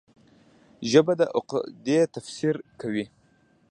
ژبه د عقیدې تفسیر کوي